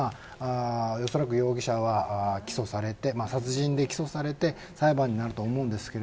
おそらく容疑者は起訴されて殺人で起訴されて裁判になると思います。